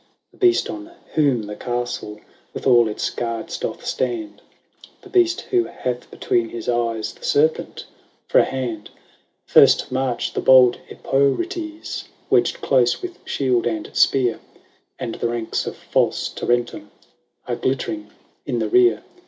The beast on whom the castle With all its guards doth stand, The beast who hath between his eyes The serpent for a hand. ^ Ps. R. f^ vj« First march the bold Epirotes, Wedged close with shield and spear : And the ranks of false Tarentum Are glittering in the rear.